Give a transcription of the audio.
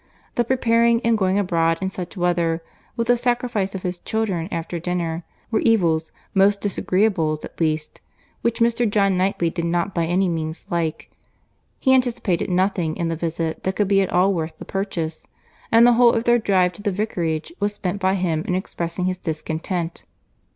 The preparing and the going abroad in such weather, with the sacrifice of his children after dinner, were evils, were disagreeables at least, which Mr. John Knightley did not by any means like; he anticipated nothing in the visit that could be at all worth the purchase; and the whole of their drive to the vicarage was spent by him in expressing his discontent.